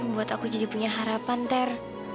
buat aku jadi punya harapan ter